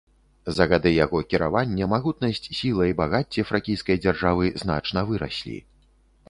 За гады яго кіравання магутнасць, сіла і багацце фракійскай дзяржавы значна выраслі.